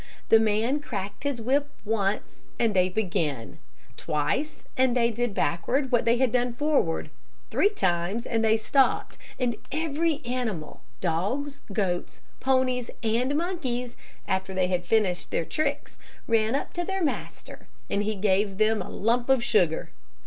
The man cracked his whip once, and they began; twice, and they did backward what they had done forward; three times, and they stopped, and every animal, dogs, goats, ponies, and monkeys, after they had finished their tricks, ran up to their master, and he gave them a lump of sugar.